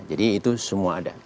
jadi itu semua ada